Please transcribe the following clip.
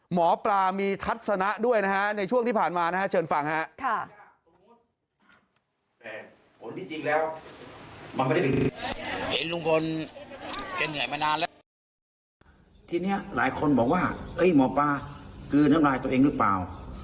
หมอปลามีทัศนะด้วยนะฮะในช่วงที่ผ่านมานะฮะเชิญฟังฮะ